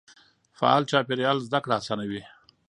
فعال چاپېريال زده کړه اسانوي.